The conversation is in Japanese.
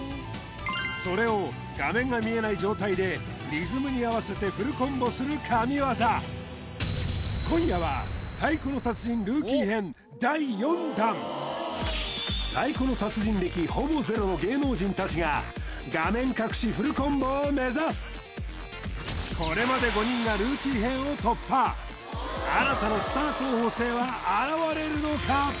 それを画面が見えない状態でリズムに合わせてフルコンボする神業今夜は太鼓の達人歴ほぼゼロの芸能人たちが画面隠しフルコンボを目指すこれまで５人がルーキー編を突破新たなスター候補生は現れるのか